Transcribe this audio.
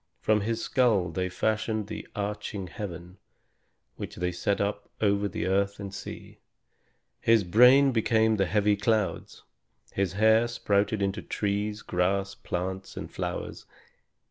From his skull they fashioned the arching heaven, which they set up over the earth and sea. His brain became the heavy clouds. His hair sprouted into trees, grass, plants, and flowers.